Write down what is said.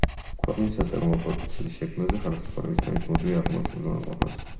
ქვეყნის საწარმოო პოტენციალის შექმნაზე, ხალხის ცხოვრების დონის მუდმივი აღმავლობის უზრუნველყოფაზე.